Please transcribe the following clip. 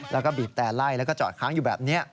แล้วก็บีบแต่ไล่แล้วก็จอดค้างอยู่แบบนี้